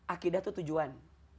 akidah itu tujuan